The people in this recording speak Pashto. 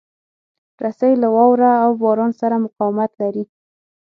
رسۍ له واوره او باران سره مقاومت لري.